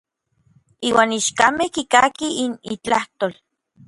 Iuan ichkamej kikakij n itlajtol.